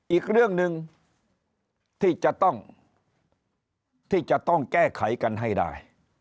อีกเรื่องหนึ่งที่จะต้องที่จะต้องแก้ไขกันให้ได้